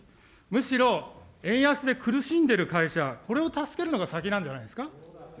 むしろ、円安で苦しんでいる会社、これを助けるのが先なんじゃないですか。